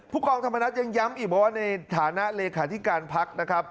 กองธรรมนัฐยังย้ำอีกบอกว่าในฐานะเลขาธิการพักนะครับ